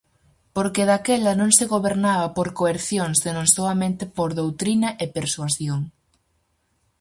Porque daquela non se gobernaba por coerción senón soamente por doutrina e persuasión.